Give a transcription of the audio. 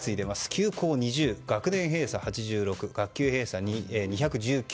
休校２０学年閉鎖８６学級閉鎖２１９。